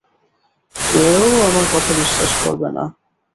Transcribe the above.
কেউ আমার কথা বিশ্বাস করবে না।